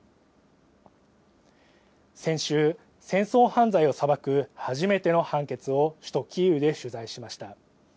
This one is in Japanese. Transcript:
先週、戦争犯罪を裁く初めての判決を首都キーウで取材しました。